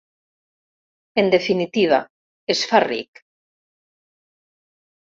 En definitiva: es fa ric.